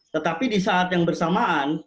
tetapi di saat yang bersamaan